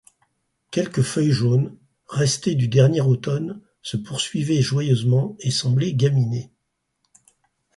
Quelques feuilles jaunes, restées du dernier automne, se poursuivaient joyeusement, et semblaient gaminer.